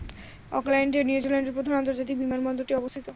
অকল্যান্ডে নিউজিল্যান্ডের প্রধান আন্তর্জাতিক বিমানবন্দরটি অবস্থিত।